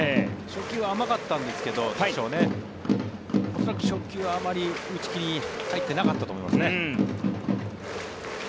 初球、甘かったんですが恐らく初球、あまり打ち気に入っていなかったと思いますね。